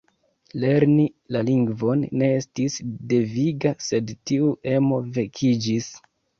Lerni la lingvon ne estis deviga, sed tiu emo vekiĝis.